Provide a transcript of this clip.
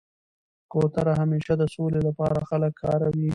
کوتره همېشه د سولي له پاره خلک کاروي.